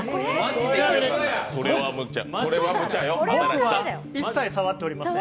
ちなみに、僕は一切触っておりません。